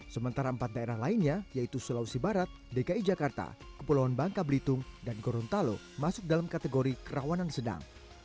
sementara empat daerah lainnya yaitu sulawesi barat dki jakarta kepulauan bangka belitung dan gorontalo masuk dalam kategori kerawanan sedang